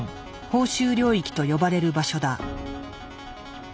「報酬領域」と呼ばれる場所だ。